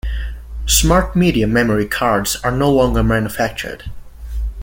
SmartMedia memory cards are no longer manufactured.